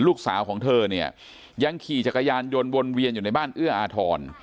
ลูกสาวของเธอเนี่ยยังขี่จักรยานยนต์วนเวียนอยู่ในบ้านเอื้ออาทร